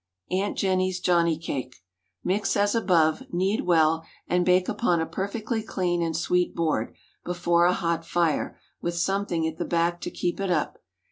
AUNT JENNY'S JOHNNY CAKE. Mix as above; knead well, and bake upon a perfectly clean and sweet board, before a hot fire, with something at the back to keep it up.